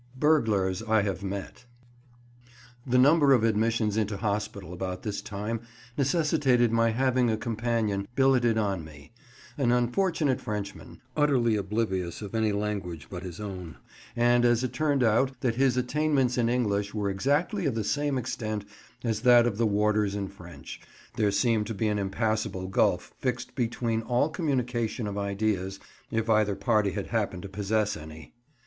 BURGLARS "I HAVE MET." THE number of admissions into hospital about this time necessitated my having a companion billeted on me, an unfortunate Frenchman, utterly oblivious of any language but his own; and as it turned out that his attainments in English were exactly of the same extent as that of the warders in French, there seemed to be an impassable gulf fixed between all communication of ideas, if either party had happened to possess any.